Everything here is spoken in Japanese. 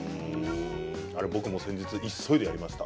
あれ僕も前日急いでやりました。